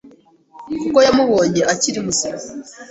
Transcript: kuko yamubonye akiri muzima